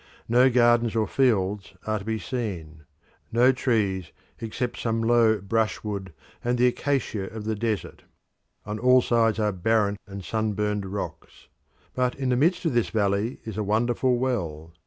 No gardens or fields are to be seen; no trees except some low brushwood and the acacia of the desert. On all sides are barren and sunburnt rocks. But in the midst of this valley is a wonderful well.